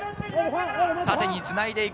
縦につないでいく。